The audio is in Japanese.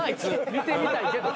見てみたいけど。